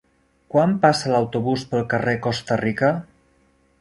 Quan passa l'autobús pel carrer Costa Rica?